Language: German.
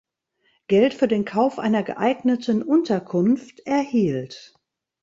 Geld für den Kauf einer geeigneten Unterkunft erhielt.